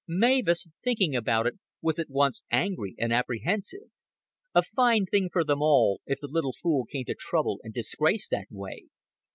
Mavis, thinking about it, was at once angry and apprehensive. A fine thing for all of them, if the little fool came to trouble and disgrace that way.